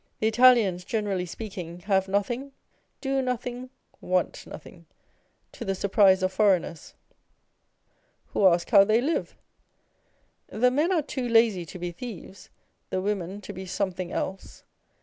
The Italians, generally speaking, have nothing, do nothing, want nothing, â€" to the surprise of foreigners, who ask how they Hot and Cold. * 247 live ? The men are too lazy to be thieves, the women to be something else.